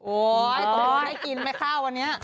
โอ้ยตัวนี้ได้กินไหมข้าววันนี้